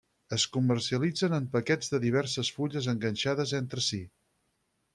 Es comercialitzen en paquets de diverses fulles enganxades entre si.